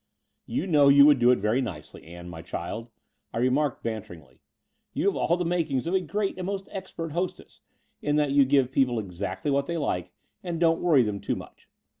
You know you would do it very nicely, Ann, my child," I remarked banteringly. "You have all the makings of a great and most expert hostess, in that you give people exactly what they like and don't worry them too much.